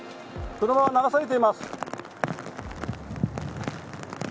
車が流されています。